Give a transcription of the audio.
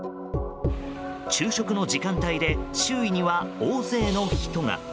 昼食の時間帯で周囲には大勢の人が。